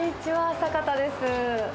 坂田です。